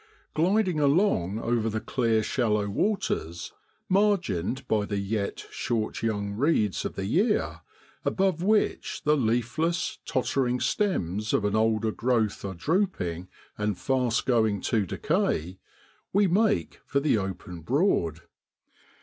o o e e o c c o Gliding along over the clear shallow waters, margined by the yet short young reeds of the year, above which the leafless, tottering stems of an older growth are drooping and fast going to decay, we make for the open Broad.